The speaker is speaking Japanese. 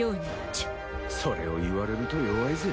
チッそれを言われると弱いぜ。